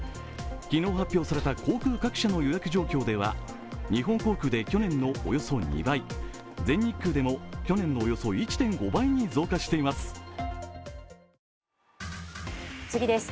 昨日発表された航空各社の予約状況では日本航空で去年のおよそ２倍全日空でも去年のおよそ１．５倍に増加しています。